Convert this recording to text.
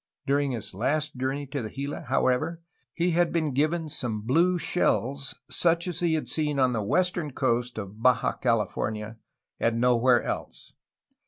During his last journey to the Gila, however, he had been given some blue shells such as he had seen on the western coast of Baja California and no where else.